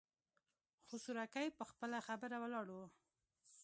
خو سورکی په خپله خبره ولاړ و.